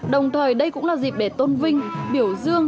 đồng thời đây cũng là dịp để tôn vinh biểu dương